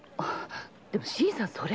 でも新さんそれは。